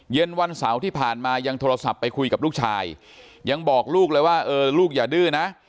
เย็นวันเสาร์ที่ผ่านมายังโทรศัพท์ไปคุยกับลูกชายยังบอกลูกเลยว่าเออลูกอย่าดื้อนะ